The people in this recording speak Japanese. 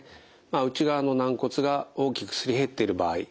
内側の軟骨が大きくすり減っている場合。